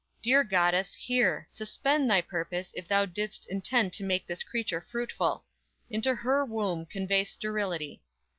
Dear goddess, hear! Suspend thy purpose, if Thou did'st intend to make this creature fruitful! Into her womb convey sterility!